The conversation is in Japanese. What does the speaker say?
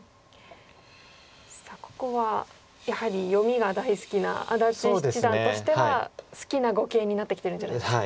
さあここはやはり読みが大好きな安達七段としては好きな碁形になってきてるんじゃないですか。